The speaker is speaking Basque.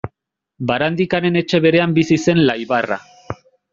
Barandikaren etxe berean bizi zen Laibarra.